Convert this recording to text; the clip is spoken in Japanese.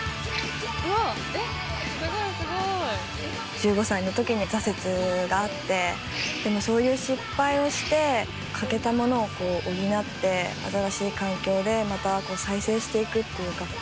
１５歳の時に挫折があってでもそういう失敗をして欠けたものを補って新しい環境でまた再生していくっていうか。